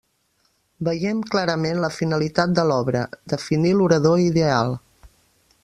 Veiem clarament la finalitat de l'obra: definir l'orador ideal.